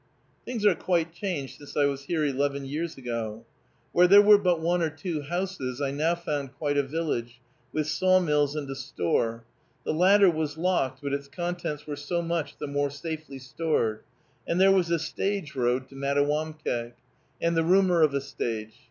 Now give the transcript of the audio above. Things are quite changed since I was here eleven years ago. Where there were but one or two houses, I now found quite a village, with sawmills and a store (the latter was locked, but its contents were so much the more safely stored), and there was a stage road to Mattawamkeag, and the rumor of a stage.